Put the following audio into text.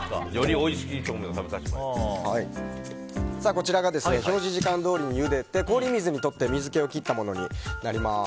こちらが表示時間どおりにゆでて氷水にとって水気を切ったものになります。